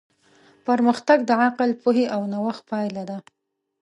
پرمختګ د عقل، پوهې او نوښت پایله ده.